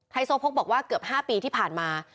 โซโพกบอกว่าเกือบ๕ปีที่ผ่านมา